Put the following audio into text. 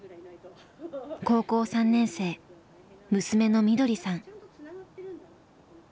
高校３年生娘のみどりさん。